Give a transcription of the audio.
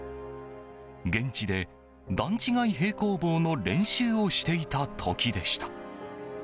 現地で、段違い平行棒の練習をしていた時でした。